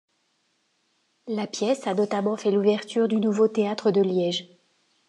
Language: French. La pièce a notamment fait l’ouverture du nouveau Théâtre de Liège.